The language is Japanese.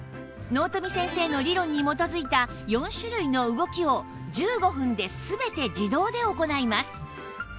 納富先生の理論に基づいた４種類の動きを１５分で全て自動で行います